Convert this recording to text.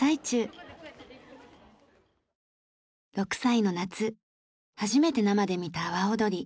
６歳の夏初めて生で見た阿波おどり。